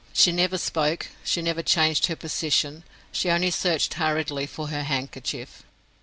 She never spoke; she never changed her position—she only searched hurriedly for her handkerchief.